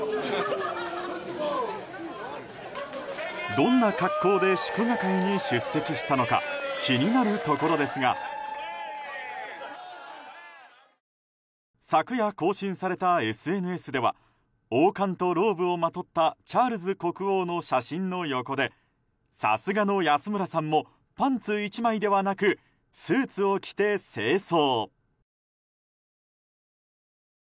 どんな格好で祝賀会に出席したのか気になるところですが昨夜更新されたＳＮＳでは王冠とローブをまとったチャールズ国王の写真の横でさすがの安村さんもパンツ１枚ではなくスーツを着て正装。